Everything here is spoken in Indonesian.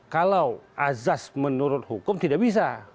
kalau azas menurut hukum tidak bisa